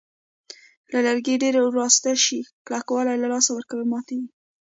که لرګي ډېر وراسته شي کلکوالی له لاسه ورکوي او ماتېږي.